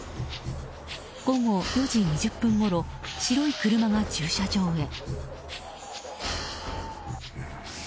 午後４時２０分ごろ白い車が駐車場へ。